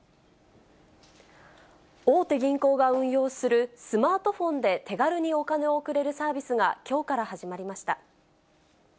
大手銀行が運用するスマートフォンで手軽にお金を送れるサービスがきょうから始まりました。